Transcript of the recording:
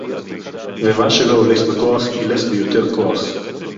ומה שלא הולך בכוח ילך ביותר כוח